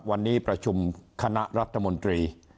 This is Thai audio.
วันนี้ประชุมคณะรัฐมนตรี